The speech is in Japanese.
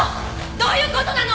どういう事なの！？